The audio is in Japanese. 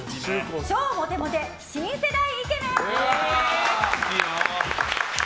超モテモテ新世代イケメン！